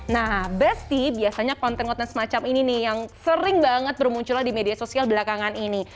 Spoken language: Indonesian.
nah besty biasanya konten konten semacam ini nih yang sering banget bermunculan di media sosial belakangan ini